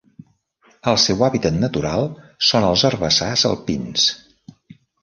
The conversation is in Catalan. El seu hàbitat natural són els herbassars alpins.